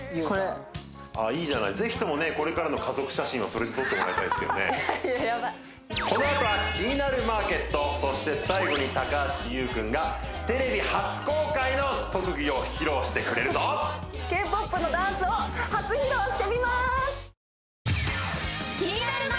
これああいいじゃないぜひともねこれからの家族写真はそれで撮ってもらいたいですけどいやヤバイそして最後に高橋ユウ君がテレビ初公開の特技を披露してくれるぞＫ−ＰＯＰのダンスを初披露してみます